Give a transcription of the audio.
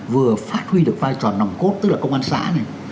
vừa phát huy được vai trò nòng cốt tức là công an xã này